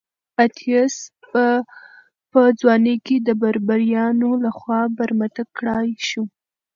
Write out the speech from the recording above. اتیوس په ځوانۍ کې د بربریانو لخوا برمته کړای شو.